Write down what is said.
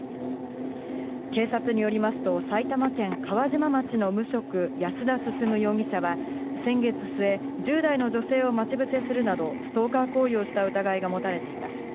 警察によりますと、埼玉県川島町の無職、安田進容疑者は、先月末、１０代の女性を待ち伏せするなどストーカー行為をした疑いが持たれています。